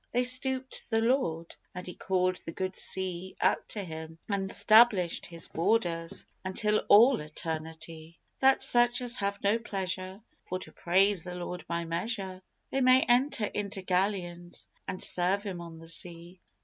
Then stooped the Lord, and He called the good sea up to Him, And 'stablished his borders unto all eternity, That such as have no pleasure For to praise the Lord by measure, They may enter into galleons and serve Him on the sea.